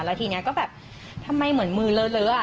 แล้วทีนี้ก็แบบทำไมเหมือนมือเลอะ